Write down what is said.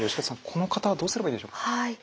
この方はどうすればいいでしょうか。